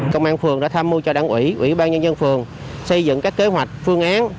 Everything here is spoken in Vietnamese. công an phường đã tham mưu cho đảng ủy ủy ban nhân dân phường xây dựng các kế hoạch phương án